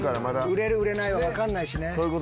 売れる売れないは分かんないしね。